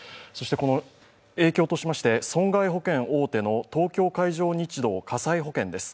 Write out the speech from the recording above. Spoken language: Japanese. この影響としまして、損害保険大手の東京海上日動火災保険です。